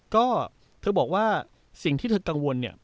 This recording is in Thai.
ก็เธอบอกว่าสิ่งที่เธอกังวลเนี่ย